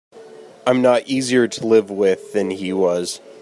I'm not easier to live with than he was.